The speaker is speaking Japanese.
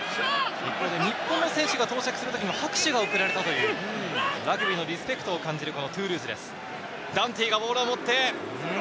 日本の選手が到着する際にも拍手が送られたというラグビーのリスペクトが感じられるトゥールーズです。